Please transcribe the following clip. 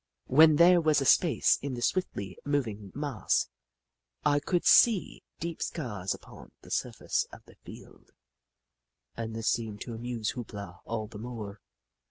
When there was a space in the swiftly moving mass, I could see deep scars upon the surface of the field, and this seemed to amuse Hoop La all the more.